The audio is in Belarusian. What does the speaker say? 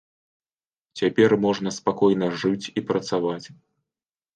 Цяпер можна спакойна жыць і працаваць.